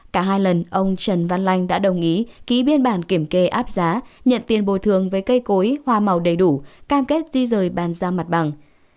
cả hai lần ông trần văn lanh đã đồng ý ký biên bản kiểm kê áp giá nhận tiền bồi thường với cây cối hoa màu đầy đủ cam kết di rời bàn giao mặt bằng